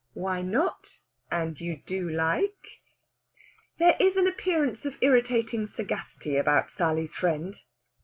"Why not? And you do like?" There is an appearance of irritating sagacity about Sally's friend.